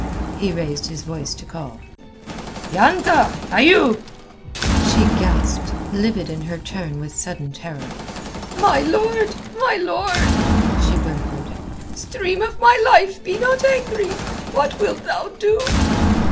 He raised his voice to call. "Ya anta! Ayoub!" She gasped, livid in her turn with sudden terror. "My lord, my lord!" she whimpered. "Stream of my life, be not angry! What wilt thou do?"